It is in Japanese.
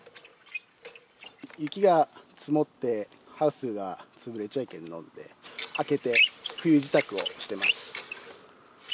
雪が積もってハウスが潰れちゃいけんので、開けて冬支度をしてます。